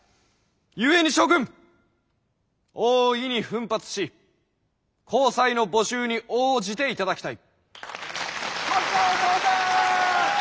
ゆえに諸君大いに奮発し公債の募集に応じていただきたい！